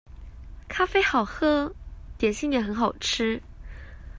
咖啡好喝，點心也很好吃